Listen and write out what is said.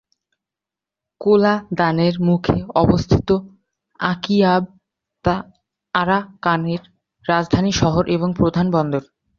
কোলাদানের মুখে অবস্থিত আকিয়াব আরাকানের রাজধানী শহর এবং প্রধান বন্দর।